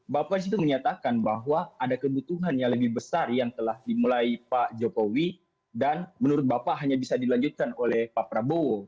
bapak disitu menyatakan bahwa ada kebutuhan yang lebih besar yang telah dimulai pak jokowi dan menurut bapak hanya bisa dilanjutkan oleh pak prabowo